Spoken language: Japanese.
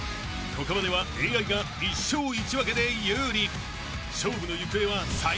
［ここまではＡＩが１勝１分けで有利］